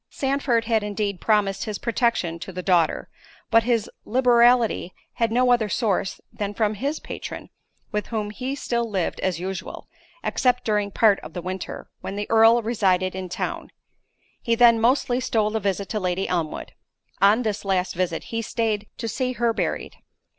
Sandford had indeed promised his protection to the daughter; but his liberality had no other source than from his patron, with whom he still lived as usual, except during part of the winter, when the Earl resided in town; he then mostly stole a visit to Lady Elmwood.—On this last visit he staid to see her buried.